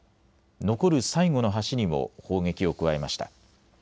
残る最後の橋にも砲撃を加えました。